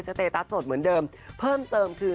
เตตัสสดเหมือนเดิมเพิ่มเติมคือ